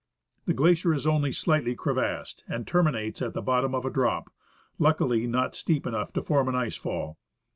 The glacier is only slightly crevassed, and terminates at the bottom in a drop, luckily not steep enough to form an ice fall.